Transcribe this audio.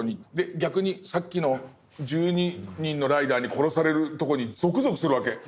逆にさっきの１２人のライダーに殺されるとこにゾクゾクするわけ。